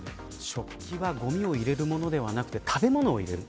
食器はごみを入れるものではなくて食べ物を入れる。